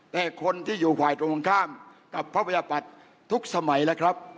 แต่คนที่อยู่ฝ่ายตรงข้ามกับพระประชาปัตย์ทุกสมัยแล้วครับ